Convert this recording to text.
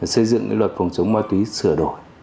xây dựng luật phòng chống ma túy sửa đổi